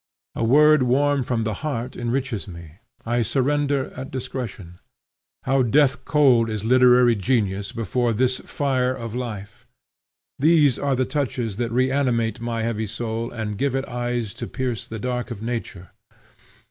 A word warm from the heart enriches me. I surrender at discretion. How death cold is literary genius before this fire of life! These are the touches that reanimate my heavy soul and give it eyes to pierce the dark of nature.